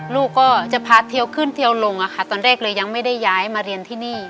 ลูกก็จะพาเทียวขึ้นเทียวลงอะค่ะตอนแรกเลยยังไม่ได้ย้ายมาเรียนที่นี่